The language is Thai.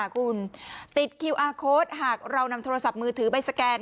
คุณติดคิวอาร์โค้ดหากเรานำโทรศัพท์มือถือไปสแกน